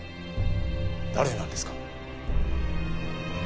誰なんですか？